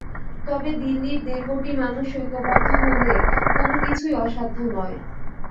তবে দিল্লির দেড় কোটি মানুষ ঐক্যবদ্ধ হলে, কোনো কিছুই অসাধ্য নয়।